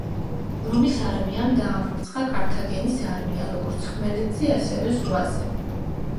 რომის არმიამ დაამარცხა კართაგენის არმია როგორც ხმელეთზე, ასევე ზღვაზე.